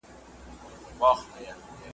زه خالق د هري میني، ملکه د هر داستان یم ,